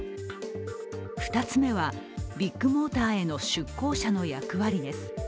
２つ目はビッグモーターへの出向者の役割です。